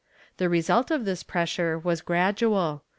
^ The result of this pressure was gradual.